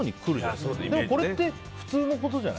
でも、これって普通のことじゃない。